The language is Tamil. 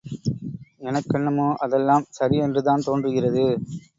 எனக்கென்னமோ அதெல்லாம் சரி என்றுதான் தோன்றுகிறது.